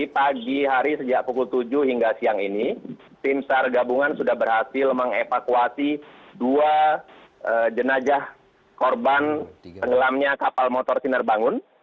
pagi hari sejak pukul tujuh hingga siang ini tim sar gabungan sudah berhasil mengevakuasi dua jenajah korban tenggelamnya kapal motor sinar bangun